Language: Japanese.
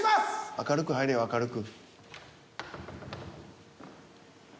明るく入れよ明るく。